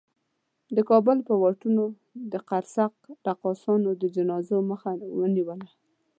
د کابل پر واټونو د قرصک رقاصانو د جنازو مخه ونیوله.